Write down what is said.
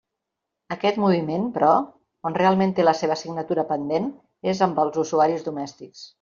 Aquest moviment, però, on realment té la seva assignatura pendent és amb els usuaris domèstics.